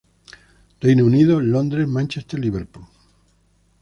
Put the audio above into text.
Reino Unido: Londres, Manchester, Liverpool.